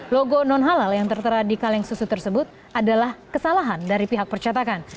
logo non halal yang tertera di kaleng susu tersebut adalah kesalahan dari pihak percetakan